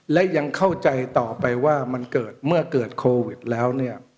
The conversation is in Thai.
และยังเข้าใจต่อไปว่าเมื่อเกิดโควิดแล้ว